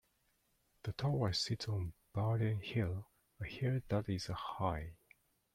The tower sits on Baden Hill, a hill that is a high.